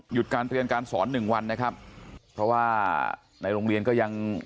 การเรียนการสอนหนึ่งวันนะครับเพราะว่าในโรงเรียนก็ยัง